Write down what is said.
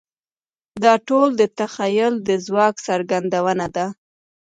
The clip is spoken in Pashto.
دا ټول د تخیل د ځواک څرګندونه ده.